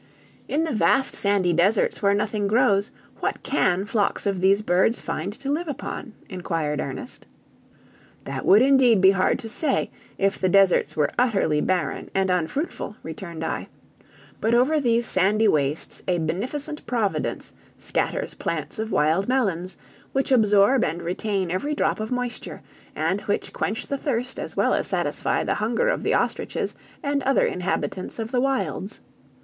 "In the vast sandy deserts where nothing grows, what can flocks of these birds find to live upon?" inquired Ernest. "That would indeed be hard to say, if the deserts were utterly barren and unfruitful," returned I; "but over these sandy wastes a beneficent Providence scatters plants of wild melons, which absorb and retain every drop of moisture, and which quench the thirst as well as satisfy the hunger of the ostriches and other inhabitants of the wilds.